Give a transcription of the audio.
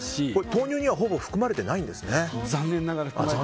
豆乳にはほぼ含まれていないんですね。